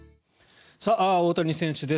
大谷選手です。